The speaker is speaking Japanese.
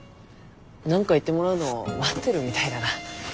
何か言ってもらうの待ってるみたいだな。